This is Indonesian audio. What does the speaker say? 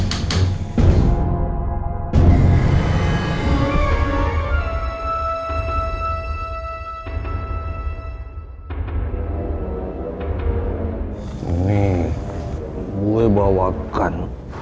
ini gue bawakan